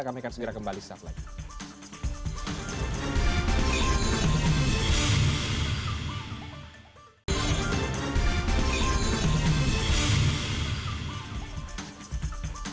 kami akan segera kembali setelah itu